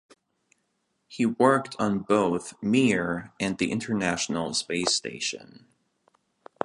He worked on both Mir and the International Space Station.